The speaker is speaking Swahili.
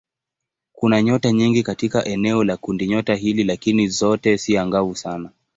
Kuna nyota nyingi katika eneo la kundinyota hili lakini zote si angavu sana.